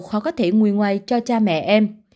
và có thể nguôi ngoay cho cha mẹ em